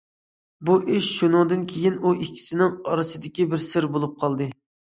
بۇ ئىش شۇنىڭدىن كېيىن، ئۇ ئىككىسىنىڭ ئارىسىدىكى بىر سىر بولۇپ قالدى.